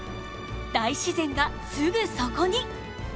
大自然がすぐそこに！